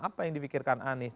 apa yang dipikirkan anies